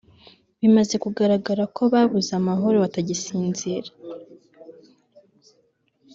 bimaze kugaragara ko babuze amahoro batagisinzira